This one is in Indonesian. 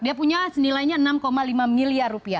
dia punya senilainya enam lima miliar rupiah